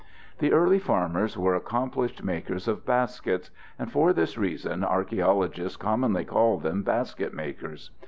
] The early farmers were accomplished makers of baskets, and for this reason archeologists commonly call them Basketmakers.